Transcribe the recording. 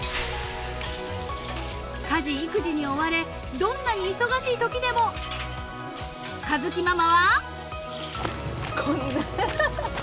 ［家事育児に追われどんなに忙しいときでも佳月ママは］こんな。